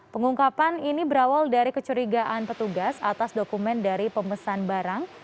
pengungkapan ini berawal dari kecurigaan petugas atas dokumen dari pemesan barang